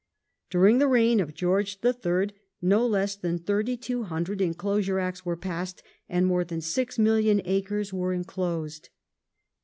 During the reign of George III. no less than 3,200 Enclosure Acts were passed, and more than six million acres were enclosed.